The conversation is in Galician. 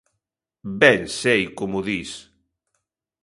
Ben sei como dis